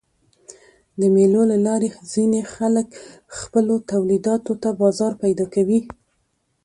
د مېلو له لاري ځيني خلک خپلو تولیداتو ته بازار پیدا کوي.